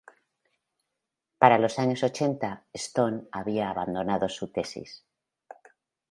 Para los años ochenta, Stone había abandonado su tesis.